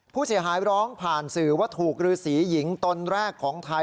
ผู้เสียหายร้องผ่านสื่อว่าถูกฤษีหญิงตนแรกของไทย